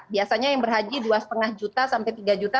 biasanya yang berhaji dua lima juta sampai tiga juta